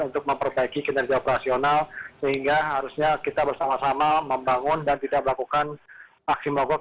untuk memperbaiki kinerja operasional sehingga harusnya kita bersama sama membangun dan tidak melakukan aksi mogok